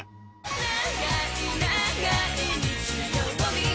長い長い日曜日